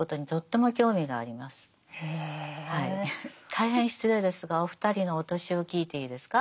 大変失礼ですがお二人のお年を聞いていいですか？